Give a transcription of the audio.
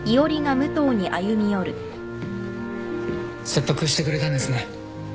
説得してくれたんですね。